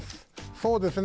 そうですね。